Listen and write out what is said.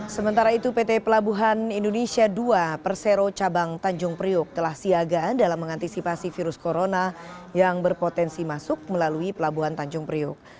sementara itu pt pelabuhan indonesia dua persero cabang tanjung priuk telah siaga dalam mengantisipasi virus corona yang berpotensi masuk melalui pelabuhan tanjung priuk